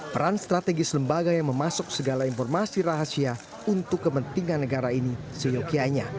peran strategis lembaga yang memasuk segala informasi rahasia untuk kepentingan negara ini seyokianya